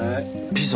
ピザ。